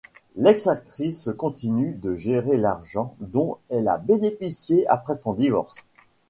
L'ex-actrice continue de gérer l'argent dont elle a bénéficé après son divorce.